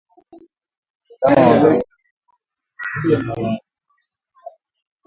Ndama wa ngamia aliyekonda kwa kuathiriwa sana na minyooo